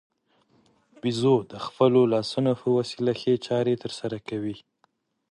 بیزو د خپلو لاسونو په وسیله ښې چارې ترسره کوي.